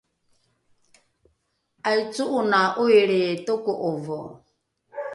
’aico’ona ’oilri toko’ovo!